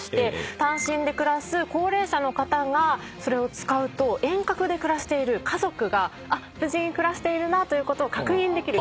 単身で暮らす高齢者の方がそれを使うと遠隔で暮らしている家族が無事に暮らしているなということを確認できる。